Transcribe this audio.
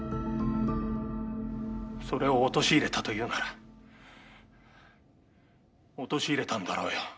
それを陥れたと言うなら陥れたんだろうよ。